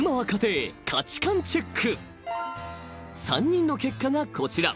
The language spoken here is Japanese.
［３人の結果がこちら］